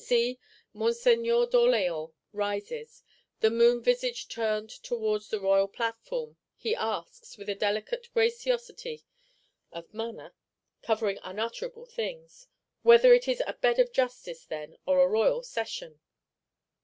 —See! Monseigneur d'Orléans rises; with moon visage turned towards the royal platform, he asks, with a delicate graciosity of manner covering unutterable things: 'Whether it is a Bed of Justice, then; or a Royal Session?